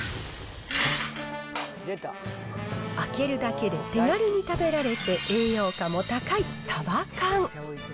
開けるだけで手軽に食べられて栄養価も高い、サバ缶。